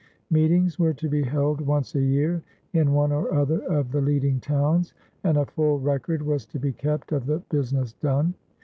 Meetings were to be held once a year in one or other of the leading towns and a full record was to be kept of the business done.